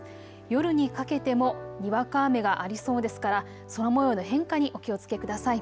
夜にかけてもにわか雨がありそうですから空もようの変化にお気をつけください。